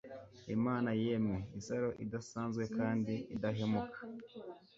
imana Yemwe isaro idasanzwe kandi idahumeka